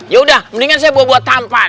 yaudah mendingan saya buah buah tampan